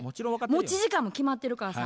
持ち時間も決まってるからさ。